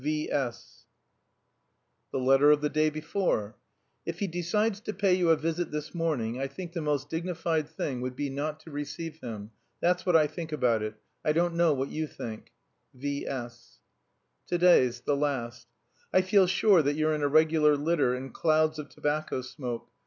V. S." The letter of the day before: "If he decides to pay you a visit this morning, I think the most dignified thing would be not to receive him. That's what I think about it; I don't know what you think. V. S." To day's, the last: "I feel sure that you're in a regular litter and clouds of tobacco smoke.